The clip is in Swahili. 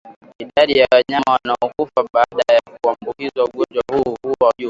Idadi ya wanyama wanaokufa baada ya kuambukizwa ugonjwa huu huwa juu